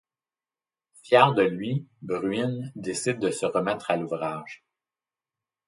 Fier de lui, Bruine décide de se remettre à l’ouvrage.